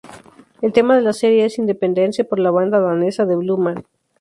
El tema de la serie es "Independence" por la banda danesa The Blue Van.